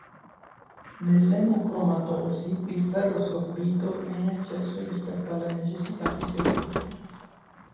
Nell'emocromatosi il ferro assorbito è in eccesso rispetto alle necessità fisiologiche.